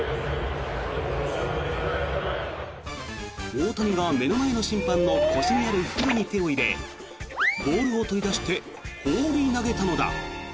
大谷が目の前の審判の腰にある袋に手を入れボールを取り出して放り投げたのだ。